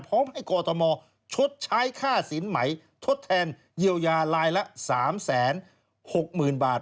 พร้อมให้กรทมชดใช้ค่าสินใหม่ทดแทนเยียวยาลายละ๓๖๐๐๐บาท